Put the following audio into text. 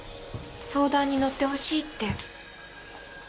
相談にのって欲しいって。